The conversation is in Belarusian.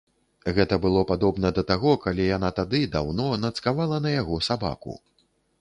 Гэта было падобна да таго, калі яна тады, даўно, нацкавала на яго сабаку.